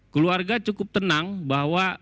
keluarga cukup tenang bahwa